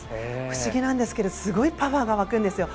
不思議なんですけどすごいパワーがわくんですよ